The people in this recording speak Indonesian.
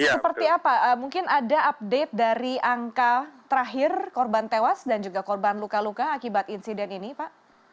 seperti apa mungkin ada update dari angka terakhir korban tewas dan juga korban luka luka akibat insiden ini pak